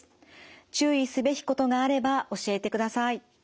注意すべきことがあれば教えてください。